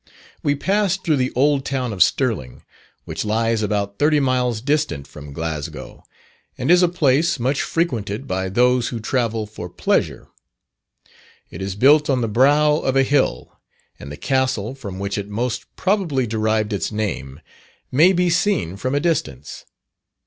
We passed through the old town of Stirling, which lies about thirty miles distant from Glasgow, and is a place much frequented by those who travel for pleasure. It is built on the brow of a hill, and the Castle from which it most probably derived its name, may be seen from a distance.